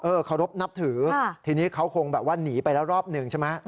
เคารพนับถือทีนี้เขาคงแบบว่าหนีไปแล้วรอบหนึ่งใช่ไหม